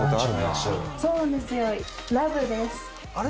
「あれ？